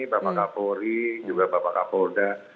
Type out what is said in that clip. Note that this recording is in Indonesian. bapak kapolri juga bapak kapolda